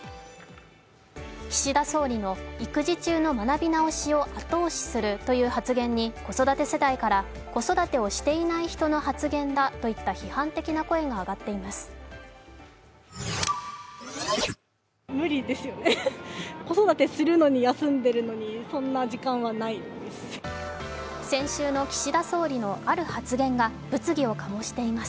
岸田総理の育児中の学び直しを後押しするという発言に子育て世帯から子育てをしていない人の発言だとの批判的な声が上がっています。